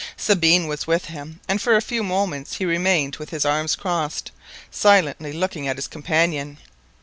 Sabine was with him, and for a few moments he remained with his arms crossed, silently looking at his companion.